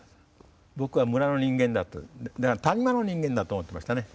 僕は村の人間だと谷間の人間だと思ってましたね。